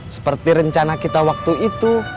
seperti rencana kita waktu itu